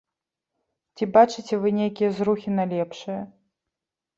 Ці бачыце вы нейкія зрухі на лепшае?